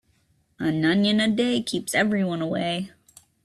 An onion a day keeps everyone away.